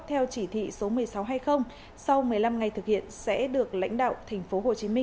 theo chỉ thị số một nghìn sáu trăm hai mươi sau một mươi năm ngày thực hiện sẽ được lãnh đạo tp hcm